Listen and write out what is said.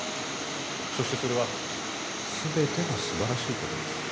そしてそれはすべてが素晴らしいことです